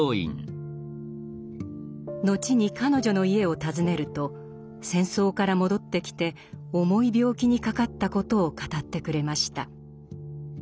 後に彼女の家を訪ねると戦争から戻ってきて重い病気にかかったことを語ってくれました。